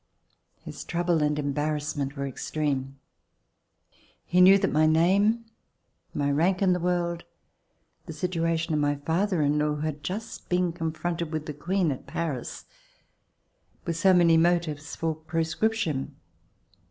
His trouble and embarrassment were extreme. He knew that my name, my rank in the world, the situa tion of my father in law who had just been con fronted with the Queen at Paris, were so many motives for proscription.